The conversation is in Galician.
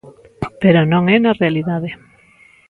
Pero non é na realidade.